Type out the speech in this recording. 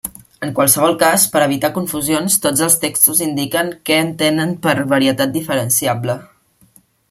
En qualsevol cas, per evitar confusions, tots els textos indiquen què entenen per varietat diferenciable.